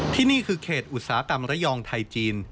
ที่นี่คือเขตอุตสาหกรรมระยองไทยจีน